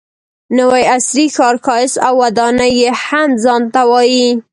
نوي عصري ښار ښایست او ودانۍ هم ځان ته وایي.